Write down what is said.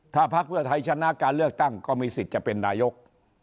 ถ้าพักเพื่อไทยชนะการเลือกตั้งก็มีสิทธิ์จะเป็นนายก